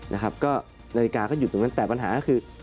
นาฬิกาก็หยุดตรงนั้นแต่ปัญหาก็คือ